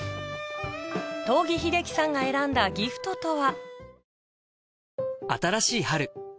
東儀秀樹さんが選んだギフトとは？